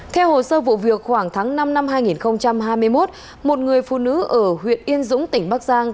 theo hồ sơ vụ việc khoảng tháng năm năm hai nghìn hai mươi một một người phụ nữ ở huyện yên dũng tỉnh bắc giang